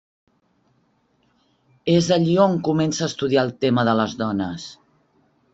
És allí on comença a estudiar el tema de les dones.